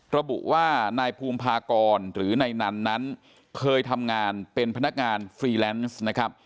ระบุว่านายภูมิภากรหรือนายนันนั้นเคยทำงานเป็นพนักงานฟรีแลนซ์นะครับ